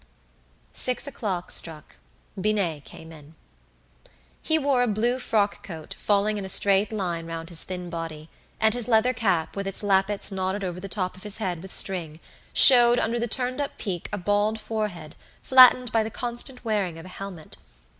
Six o'clock struck. Binet came in. He wore a blue frock coat falling in a straight line round his thin body, and his leather cap, with its lappets knotted over the top of his head with string, showed under the turned up peak a bald forehead, flattened by the constant wearing of a helmet.